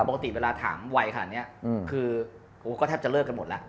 ปกติเวลาถามไวขนาดนี้คือก็แทบจะเลิกกันหมดแล้ว